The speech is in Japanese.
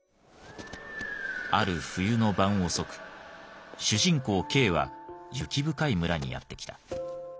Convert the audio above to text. ある冬の晩遅く主人公Ｋは雪深い村にやって来た。